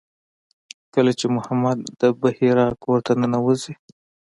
کله چې محمد د بحیرا کور ته ننوځي.